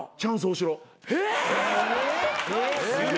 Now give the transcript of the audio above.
え！？